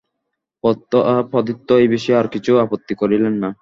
প্রতাপাদিত্য এ-বিষয়ে আর কিছু আপত্তি করিলেন না।